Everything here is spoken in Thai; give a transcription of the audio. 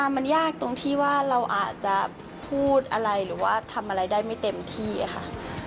มันยากตรงที่ว่าเราอาจจะพูดอะไรหรือว่าทำอะไรได้ไม่เต็มที่ค่ะ